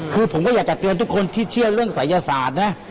คือผมก็อยากจะเตือนทุกคนที่เชื่อเรื่องศัยศาสตร์นะ